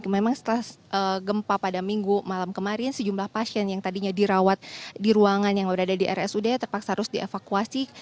memang setelah gempa pada minggu malam kemarin sejumlah pasien yang tadinya dirawat di ruangan yang berada di rsud terpaksa harus dievakuasi